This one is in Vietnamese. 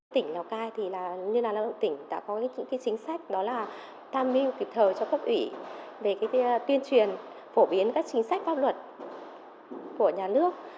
tỉnh lào cai như là lợi ứng tỉnh đã có những chính sách đó là tam mưu kịp thời cho cấp ủy về tuyên truyền phổ biến các chính sách pháp luật của nhà nước